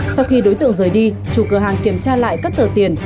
sau khi đối tượng rời đi chủ cửa hàng kiểm tra lại các tờ tiền